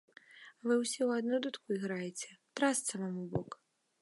Вы ўсе ў адну дудку іграеце, трасца вам у бок!